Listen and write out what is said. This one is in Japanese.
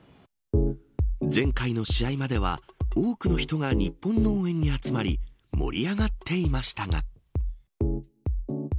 前回の試合までは多くの人が日本の応援に集まり盛り上がっていましたが。